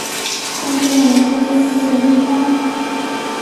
但这样的规则也有些例外。